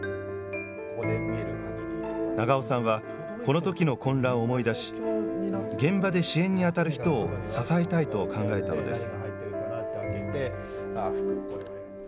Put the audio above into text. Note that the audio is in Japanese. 長尾さんは、このときの混乱を思い出し、現場で支援に当たる人を支えたいと考えたのです。